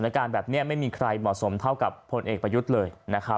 การแบบนี้ไม่มีใครเหมาะสมเท่ากับพลเอกประยุทธ์เลยนะครับ